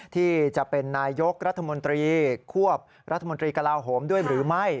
ที่จะเป็นนายยกรัฐมนตรีควบรัฐมนตรีกระลาโหมด้วยหรือไม่